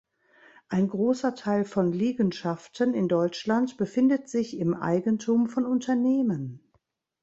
Ein großer Teil von Liegenschaften in Deutschland befindet sich im Eigentum von Unternehmen.